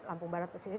lampung barat pesisir